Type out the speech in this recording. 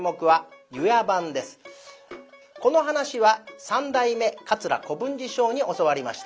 この噺は三代目桂小文治師匠に教わりました。